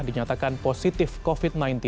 dinyatakan positif covid sembilan belas